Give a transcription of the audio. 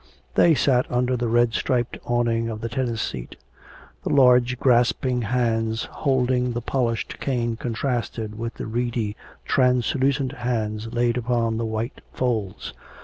They sat under the red striped awning of the tennis seat. The large grasping hands holding the polished cane contrasted with the reedy, translucent hands laid upon the white folds.